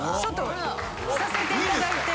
着させていただいて。